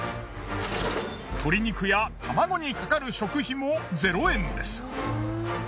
鶏肉や卵にかかる食費も０円です。